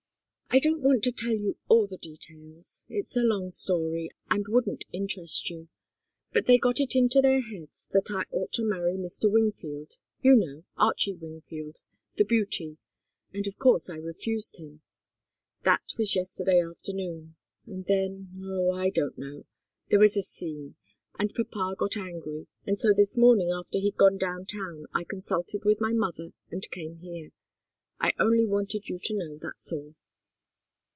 "I don't want to tell you all the details. It's a long story, and wouldn't interest you. But they got it into their heads that I ought to marry Mr. Wingfield you know Archie Wingfield the beauty and of course I refused him. That was yesterday afternoon. And then oh, I don't know there was a scene, and papa got angry, and so this morning after he'd gone down town I consulted with my mother and came here. I only wanted you to know that's all."